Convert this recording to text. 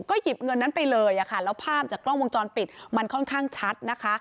ก็หยิบเงินนั้นไปเลยอะค่ะแล้วภาพจากกล้องวงจรปิดมันค่อนข้างชัดนะคะ